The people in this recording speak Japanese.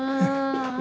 え？